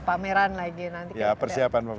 pameran lagi nanti ya persiapan pameran